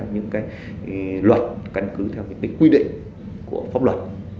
những cái luật căn cứ theo cái quy định của pháp luật